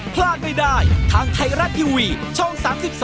พลาดไม่ได้ทางไทยรัฐทีวีช่อง๓๒